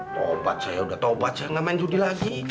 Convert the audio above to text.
topat saya udah topat saya nggak main judi lagi